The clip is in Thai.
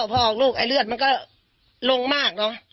พอออกลูกไอ้เลือดมันก็ลงมากเนอะ